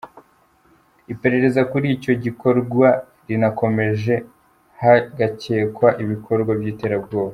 Iperereza kuri icyo gikorwa rirakomeje, hagakekwa ibikorwa by’iterabwoba.